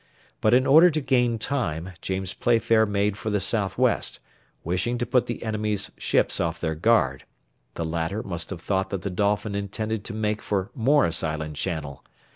But in order to gain time James Playfair made for the south west, wishing to put the enemies' ships off their guard; the latter must have thought that the Dolphin intended to make for Morris Island Channel.